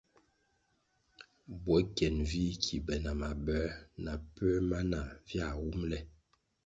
Bwo kyen vih ki be na maboē na puer ma nah viah wumʼle.